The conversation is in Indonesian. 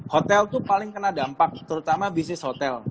hotel itu paling kena dampak terutama bisnis hotel